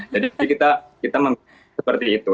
jadi kita seperti itu